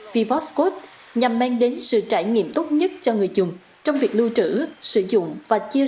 vivoscode nhằm mang đến sự trải nghiệm tốt nhất cho người dùng trong việc lưu trữ sử dụng và chia